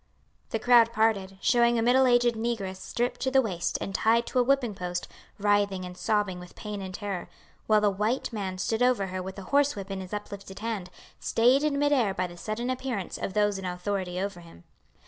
The crowd parted, showing a middle aged negress stripped to the waist and tied to a whipping post, writhing and sobbing with pain and terror, while a white man stood over her with a horse whip in his uplifted hand, stayed in mid air by the sudden appearance of those in authority over him.